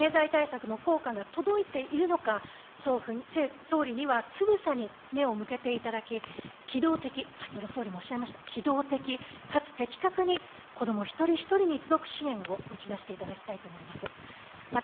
このようなご家庭に、政府の経済対策の効果が届いているのか、総理にはつぶさに目を向けていただき、機動的、先ほど総理もおっしゃいました、機動的かつ的確に、こども一人一人に届く支援を打ち出していただきたいと思います。